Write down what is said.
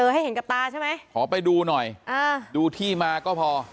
ให้เห็นกับตาใช่ไหมขอไปดูหน่อยอ่าดูที่มาก็พอ